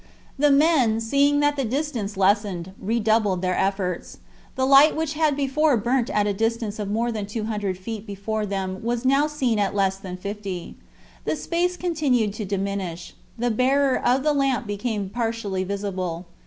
The men, seeing that the distance lessened, redoubled their efforts. The light which had before burnt at a distance of more than two hundred feet before them was now seen at less than fifty. The space continued to diminish. The bearer of the lamp became partially visible.